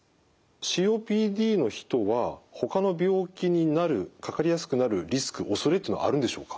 ＣＯＰＤの人はほかの病気になるかかりやすくなるリスクおそれっていうのはあるんでしょうか？